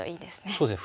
そうですね